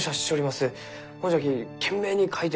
ほんじゃき懸命に描いて。